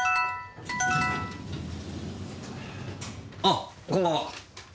あこんばんは。